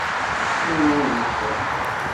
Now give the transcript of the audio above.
Ur udifen.